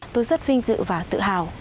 tôi rất vinh dự và tự hào